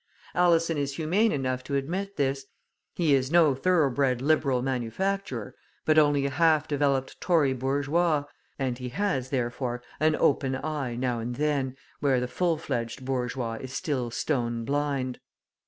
Alison is humane enough to admit this; he is no thoroughbred Liberal manufacturer, but only a half developed Tory bourgeois, and he has, therefore, an open eye, now and then, where the full fledged bourgeois is still stone blind.